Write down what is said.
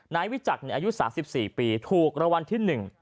นายวิจักรอายุ๓๔ปีถูกระวังที่๑